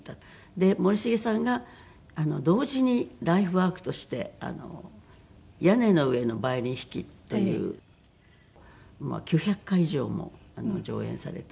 で森繁さんが同時にライフワークとして『屋根の上のヴァイオリン弾き』というもう９００回以上も上演された。